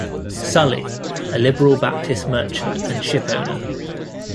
Sully, a liberal Baptist merchant and ship-owner.